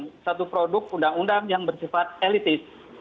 untuk juga melawan satu produk undang undang yang bersifat elitis